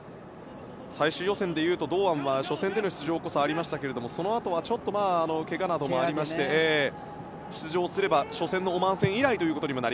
最終予選でいうと堂安は初戦での出場こそありましたがそのあとは、ちょっとけがなどもありまして出場すれば初戦のオマーン戦以来です。